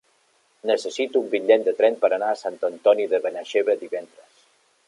Necessito un bitllet de tren per anar a Sant Antoni de Benaixeve divendres.